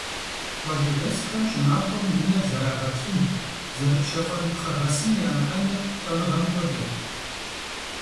Къуажэдэсхэм щӀымахуэм унэр зэрагъэплъын, зэрыпщэфӀэн пхъэгъэсын ямыӀэныр лӀэныгъэм хуэдэт.